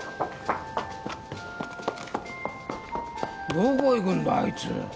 どこ行くんだあいつ？